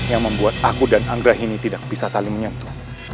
yang membuat aku dan anggra ini tidak bisa saling menyentuh